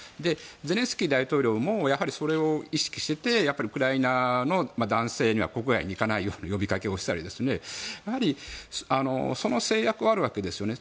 ゼレンスキー大統領もそれを意識して、ウクライナの男性には国外に行かないように呼びかけをしたりやはりその制約はあるわけですよね。